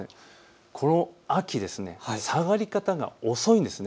この秋、下がり方が遅いんです。